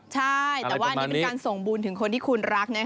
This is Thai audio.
ใช่แต่ว่าอันนี้เป็นการส่งบุญถึงคนที่คุณรัก